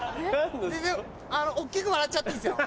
全然大っきく笑っちゃっていいですよ。